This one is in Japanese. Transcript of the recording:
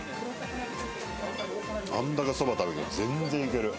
あんだけそば食べても全然いける